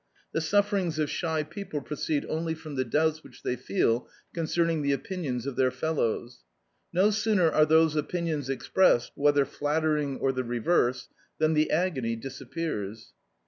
The sufferings of shy people proceed only from the doubts which they feel concerning the opinions of their fellows. No sooner are those opinions expressed (whether flattering or the reverse) than the agony disappears.